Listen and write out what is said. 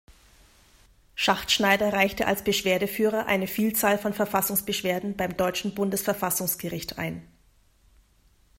Schachtschneider reichte als Beschwerdeführer eine Vielzahl von Verfassungsbeschwerden beim deutschen Bundesverfassungsgericht ein.